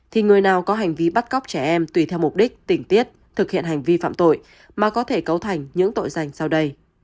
thì người nào có hành vi bắt cóc trẻ em tùy theo mục đích tỉnh tiết thực hiện hành vi phạm tội mà có thể cấu thành những tội danh sau đây